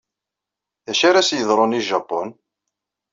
D acu ara as-yeḍrun i Japun?